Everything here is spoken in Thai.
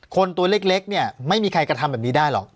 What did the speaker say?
ตัวเล็กเนี่ยไม่มีใครกระทำแบบนี้ได้หรอก